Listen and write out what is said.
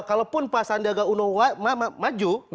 kalau pun pas sandiaga uno maju